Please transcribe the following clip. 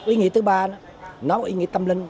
ý nghĩa thứ ba nó có ý nghĩa tâm linh